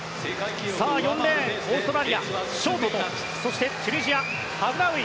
さあ、４レーンオーストラリア、ショートがそして、チュニジアハフナウイ。